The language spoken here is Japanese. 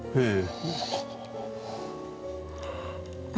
ええ。